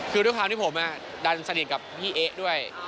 คือด้วยความที่ผมดันสนิทกับพี่เอ๊ะด้วย